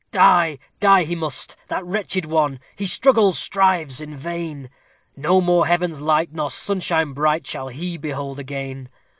Die! die he must, that wretched one! he struggles strives in vain; No more Heaven's light, nor sunshine bright, shall he behold again.